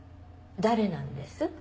誰なんです？